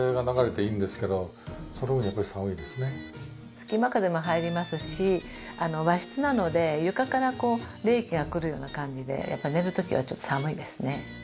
隙間風も入りますし和室なので床からこう冷気がくるような感じでやっぱり寝る時はちょっと寒いですね。